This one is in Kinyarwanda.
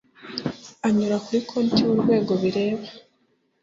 anyura kuri konti y urwego bireba